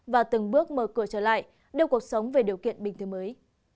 và từng bước mở cửa trở lại đưa cuộc sống về điều kiện bình thường mới